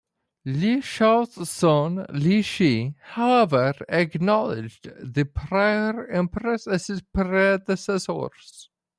Li Shou's son Li Shi, however, acknowledged the prior emperors as his predecessors.